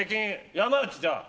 山内、じゃあ。